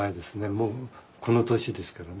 もうこの年ですけどね。